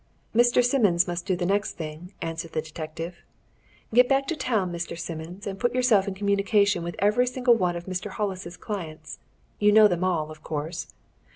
"Mr. Simmons must do the next thing," answered the detective. "Get back to town, Mr. Simmons, and put yourself in communication with every single one of Mr. Hollis's clients you know them all, of course.